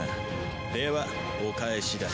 ではお返しだ。